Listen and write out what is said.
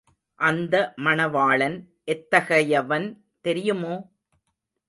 அந்த மணவாளன் எத்தகையவன் தெரியுமோ?